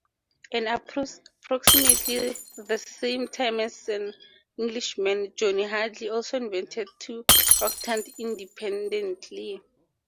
At approximately the same time an Englishman, John Hadley, also invented the octant independently.